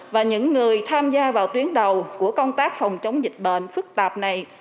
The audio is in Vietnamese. và những người tham gia vào tuyến đầu của công tác phòng chống dịch bệnh phức tạp này